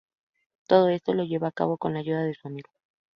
Todo esto lo lleva a cabo con la ayuda de su amigo.